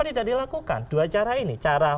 tidak dilakukan dua cara ini cara